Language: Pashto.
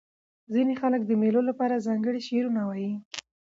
ځیني خلک د مېلو له پاره ځانګړي شعرونه وايي.